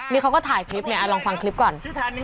นี่เขาก็ถ่ายคลิปเนี่ยลองฟังคลิปก่อน